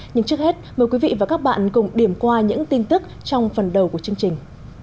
nhưng trước hết mời quý vị và các bạn cùng điểm qua những tin tức trong phần đầu của chương trình